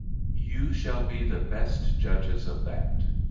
You shall be the best judges of that.